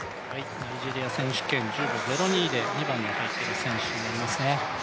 ナイジェリア選手権１０秒０２で２番に入っている選手です。